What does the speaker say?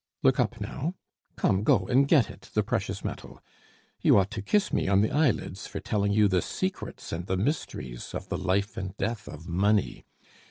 Look up, now. Come, go and get it, the precious metal. You ought to kiss me on the eyelids for telling you the secrets and the mysteries of the life and death of money.